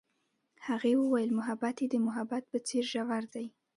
هغې وویل محبت یې د محبت په څېر ژور دی.